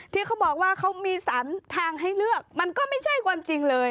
ที่เขาบอกว่าเขามีสรรทางให้เลือกมันก็ไม่ใช่ความจริงเลย